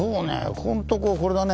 ここんとここれだね。